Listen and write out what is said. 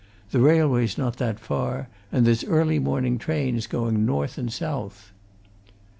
The railway's not that far, and there's early morning trains going north and south."